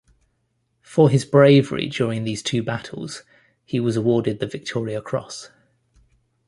For his bravery during these two battles, he was awarded the Victoria Cross.